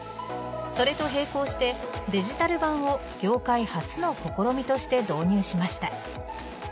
それと並行して、デジタル版を業界初の試みとして導入しました。